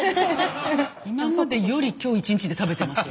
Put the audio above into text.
今までより今日１日で食べてますよ。